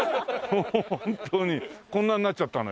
ホントにこんなんなっちゃったのよ。